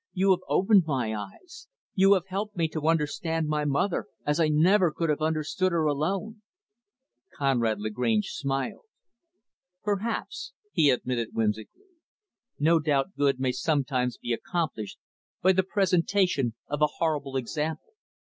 "You have opened my eyes. You have helped me to understand my mother, as I never could have understood her, alone." Conrad Lagrange smiled. "Perhaps," he admitted whimsically. "No doubt good may sometimes be accomplished by the presentation of a horrible example.